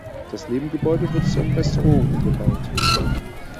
Das Nebengebäude wurde zu einem Restaurant umgebaut.